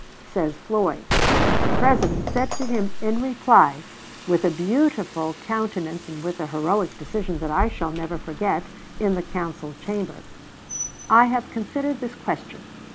Says Floyd: "The President said to him in reply, with a beautiful countenance and with a heroic decision that I shall never forget, in the council chamber, 'I have considered this question.